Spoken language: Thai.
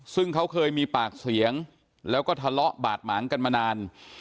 ซึ่งเขาเคยมีปากเสียงแล้วก็ทะเลาะบาดหมางกันมานาน